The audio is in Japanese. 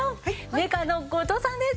メーカーの後藤さんです。